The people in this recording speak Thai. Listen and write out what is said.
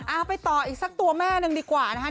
เอาไปต่ออีกสักตัวแม่หนึ่งดีกว่านะคะ